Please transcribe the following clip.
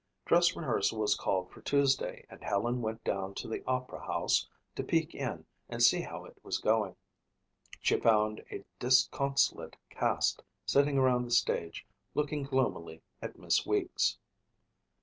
Dress rehearsal was called for Tuesday and Helen went down to the opera house to peek in and see how it was going. She found a disconsolate cast sitting around the stage, looking gloomily at Miss Weeks.